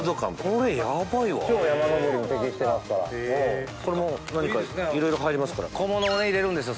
これヤバいわ山登りも適してますからこれも何かいろいろ入りますから小物を入れるんですよ